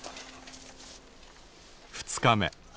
２日目。